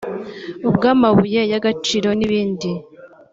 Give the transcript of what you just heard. ubw’amabuye y’agaciro n’ibindi